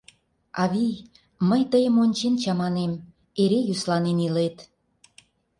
Авий, мый тыйым ончен чаманем, эре йӧсланен илет...